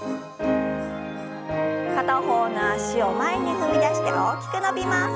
片方の脚を前に踏み出して大きく伸びます。